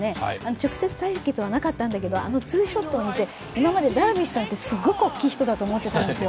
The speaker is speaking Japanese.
直接対決はなかったんだけれども、あのツーショットを見て、今までダルビッシュさんってすごく大きい人だと思ってたんですよ。